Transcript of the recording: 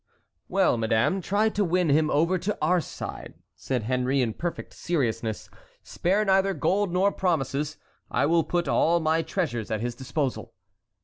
"Well, madame, try to win him over to our side," said Henry, in perfect seriousness. "Spare neither gold nor promises; I will put all my treasures at his disposal."